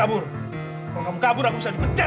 amba mohon pertolonganmu ya allah